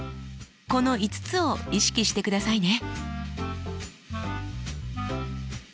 この５つを意識してくださいね。